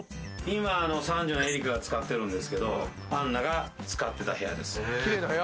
今三女のエリカが使ってるんですけど杏奈が使ってた部屋です。